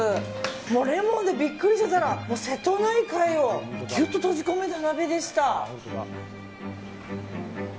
もうレモンでビックリしてたら瀬戸内海をギュッと閉じ込めた鍋でした。